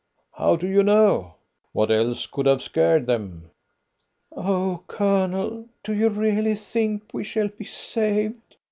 "How do you know?" "What else could have scared them?" "O Colonel, do you really think we shall be saved?"